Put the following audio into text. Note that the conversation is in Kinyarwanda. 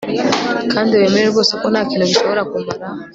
Kandi wemere rwose ko ntakintu gishobora kumara